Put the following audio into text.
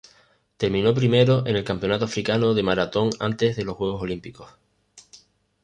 Terminó primero en el campeonato africano de maratón antes de los Juegos Olímpicos.